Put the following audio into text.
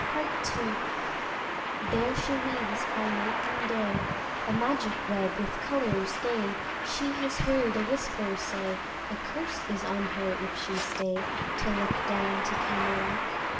Part II. There she weaves by night and day A magic web with colours gay. She has heard a whisper say, A curse is on her if she stay To look down to Camelot.